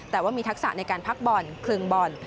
แต่ว่ามีทักษะในการพักบอลคลึงบอล